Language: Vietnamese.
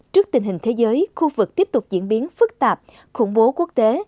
trước tình hình thế giới khu vực tiếp tục diễn biến phức tạp khủng bố quốc tế